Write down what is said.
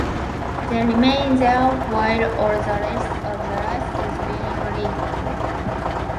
They remain there while all the rest of the rice is being reaped.